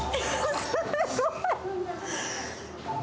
すごい！